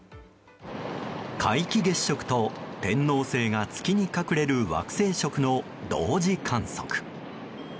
皆既月食と天王星が月に隠れる惑星食の同時観測。